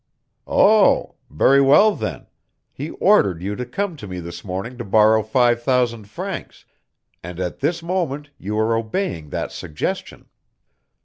"Oh! Very well then; he ordered you to come to me this morning to borrow five thousand francs, and at this moment you are obeying that suggestion."